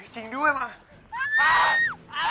จริงด้วยมึง